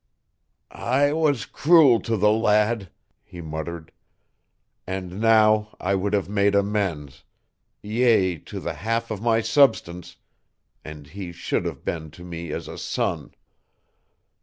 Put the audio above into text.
"I was cruel to the lad," he muttered, "and now I would have made amends yea, to the half of my substance and he should have been to me as a son."